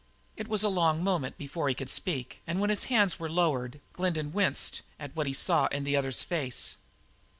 It was a long moment before he could speak, and when his hands were lowered, Glendin winced at what he saw in the other's face.